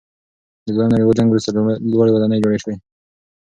د دویم نړیوال جنګ وروسته لوړې ودانۍ جوړې سوې.